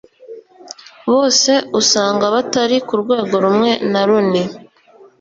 bose usanga batari ku rwego rumwe na Rooney